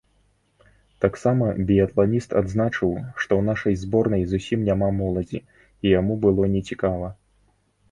Таксама біятланіст адзначыў, што ў нашай зборнай зусім няма моладзі і яму было нецікава.